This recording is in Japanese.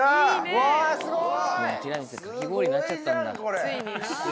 うわすごい！